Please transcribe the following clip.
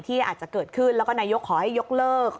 อาจจะเกิดขึ้นแล้วก็นายกขอให้ยกเลิก